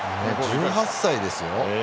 １８歳ですよ。